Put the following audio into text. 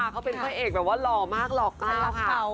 เขาเป็นผู้ให้เอกแบบว่าหล่อมากหล่อเก้าค่ะ